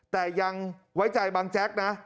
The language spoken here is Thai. แต่ยังไว้ใจบางแจ๊กนะ